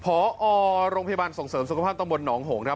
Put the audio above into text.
อ๋อพรโรงพยาบาลส่งเสริมสุขภาษณ์ตำบตำบลหนองหงนะ